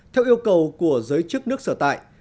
theo yêu cầu của giới chức nước sở tại